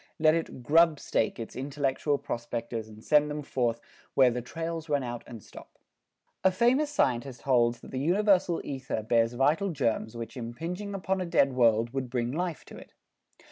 Let it "grubstake" its intellectual prospectors and send them forth where "the trails run out and stop." A famous scientist holds that the universal ether bears vital germs which impinging upon a dead world would bring life to it.